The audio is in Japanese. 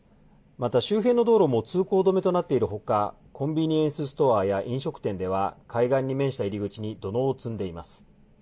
また周辺の道路も通行止めとなっているほか、コンビニエンスストアや飲食店では、海岸に面した入り口に土のうを積んでいます。